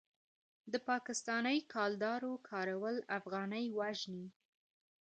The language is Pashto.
د پاکستانۍ کلدارو کارول افغانۍ وژني.